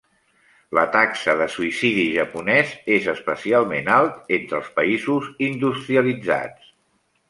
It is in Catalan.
La taxa de suïcidi japonès és especialment alt entre els països industrialitzats.